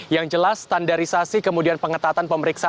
yang jelas standarisasi kemudian pengetatan pemeriksaan